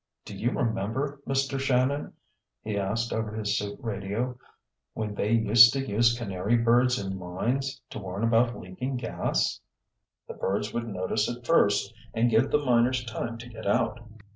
"Do you remember, Mr. Shannon," he asked over his suit radio, "when they used to use canary birds in mines to warn about leaking gas? The birds would notice it first and give the miners time to get out."